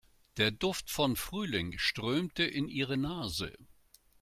Der Duft von Frühling strömte in ihre Nase.